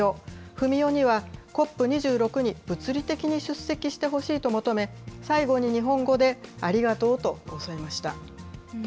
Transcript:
フミオにはＣＯＰ２６に物理的に出席してほしいと求め、最後に日本語で、ありがとうと添えました。